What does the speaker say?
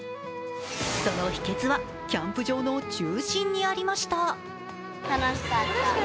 その秘けつはキャンプ場の中心にありました。